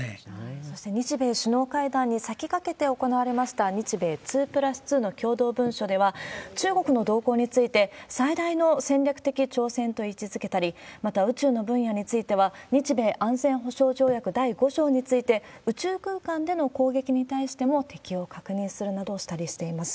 そして日米首脳会談に先駆けて行われました、日米２＋２の共同文書では、中国の動向について、最大の戦略的挑戦と位置づけたり、また、宇宙の分野については、日米安全保障条約第５条について、宇宙空間での攻撃に対しても適用を確認したりするなどしています。